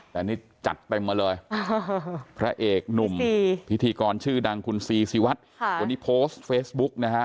แต่นี่จัดเต็มมาเลยพระเอกหนุ่มพิธีกรชื่อดังคุณซีซีวัดวันนี้โพสต์เฟซบุ๊กนะฮะ